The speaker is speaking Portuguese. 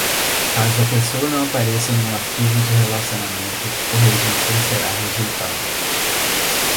Caso a pessoa não apareça no arquivo de relacionamento, o registro será rejeitado.